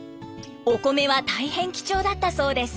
お米は大変貴重だったそうです。